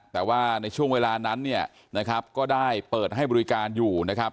แต่ว่าในช่วงเวลานั้นก็ได้เปิดให้บริการอยู่นะครับ